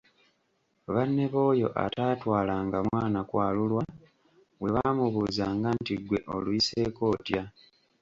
Banne b’oyo ataatwalanga mwana kwalulwa bwe baamubuuzanga nti ‘gwe oluyiseeko otya?`